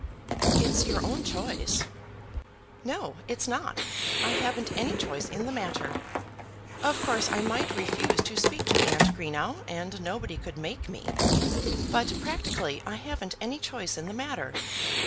"It's your own choice." "No, it's not. I haven't any choice in the matter. Of course I might refuse to speak to Aunt Greenow, and nobody could make me; but practically I haven't any choice in the matter.